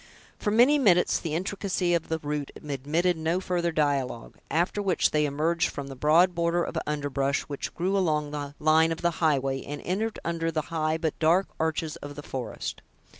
For many minutes the intricacy of the route admitted of no further dialogue; after which they emerged from the broad border of underbrush which grew along the line of the highway, and entered under the high but dark arches of the forest.